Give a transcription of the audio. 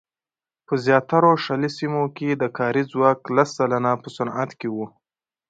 په زیاترو شلي سیمو کې د کاري ځواک لس سلنه په صنعت کې وو.